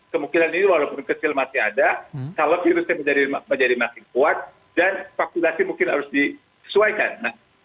kemungkinan ini walaupun kecil masih ada kalau virusnya menjadi makin kuat dan vaksinasi mungkin harus disesuaikan